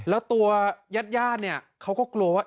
อะตัวยาดเขาก็กลัวว่า